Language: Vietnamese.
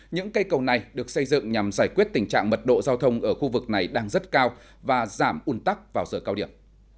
những cây cầu này được xây dựng nhằm giải quyết tình trạng mật độ giao thông ở khu vực này đang rất cao và giảm un tắc vào giờ cao điểm